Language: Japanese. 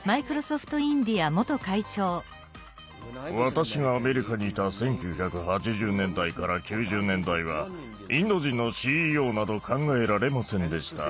私がアメリカにいた１９８０年代から９０年代はインド人のＣＥＯなど考えられませんでした。